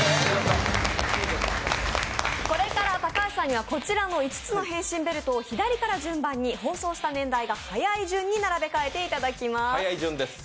これから高橋さんには、こちらの５つの変身ベルトを左から順番に放送した年代が早い順に並べ替えていただきます。